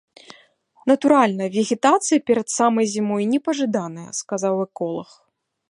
Натуральна, вегетацыя перад самай зімой непажаданая, сказаў эколаг.